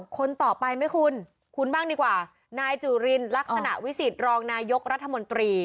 คนต่อไปไหมคุณคุณบ้างดีกว่านายจุรินลักษณะวิสิตรองนายกรัฐมนตรี